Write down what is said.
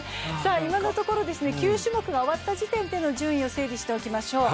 今のところ、９種目が終わった時点での順位を整理しておきましょう。